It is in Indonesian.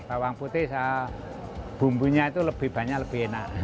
iya jadi bawang putih sama bumbunya itu lebih banyak lebih enak